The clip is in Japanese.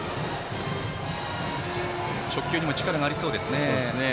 直球にも力がありそうです。